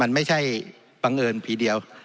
มันไม่ใช่บังเอิญผีเดียว